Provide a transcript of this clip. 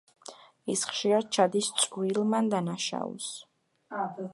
ის ხშირად ჩადის წვრილმან დანაშაულს.